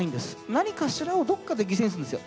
何かしらをどっかで犠牲にするんですよ。